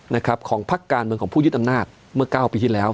นะครับของพักการเมืองของผู้ยึดอำนาจเมื่อ๙ปีที่แล้ว